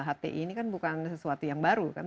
hti ini kan bukan sesuatu yang baru kan